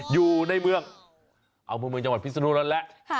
อยู่ในเมืองเอาเพื่อนจังหวัดพิษนุโลกนั่นแหละ